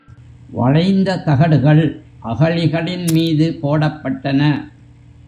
வளைந்த தகடுகள் அகழிகளின் மீது போடப்பட்டன.